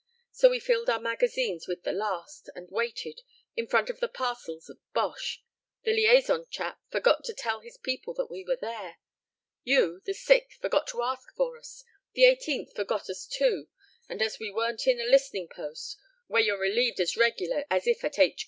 So we filled our magazines with the last, and waited, in front of the parcels of Boche. The liaison chap forgot to tell his people that we were there. You, the 6th, forgot to ask for us; the 18th forgot us, too; and as we weren't in a listening post where you're relieved as regular as if at H.Q.